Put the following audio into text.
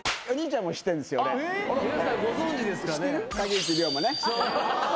皆さんご存じですかね？